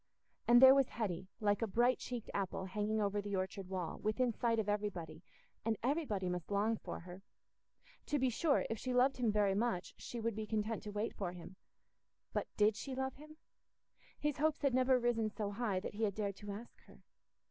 And there was Hetty, like a bright cheeked apple hanging over the orchard wall, within sight of everybody, and everybody must long for her! To be sure, if she loved him very much, she would be content to wait for him: but did she love him? His hopes had never risen so high that he had dared to ask her.